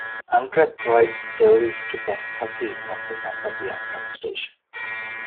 Amtrak provides service to Kankakee from the Kankakee Amtrak Station.